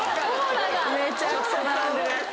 めちゃくちゃ並んでる。